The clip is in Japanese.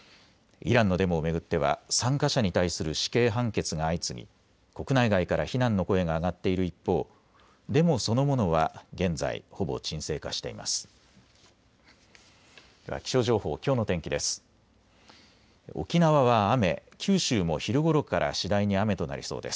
イランのデモを巡っては参加者に対する死刑判決が相次ぎ国内外から非難の声が上がっている一方、デモそのものは現在、ほぼ沈静化しています。